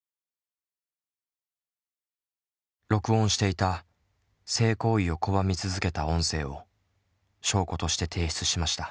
録音していた性行為を拒み続けた音声を証拠として提出しました。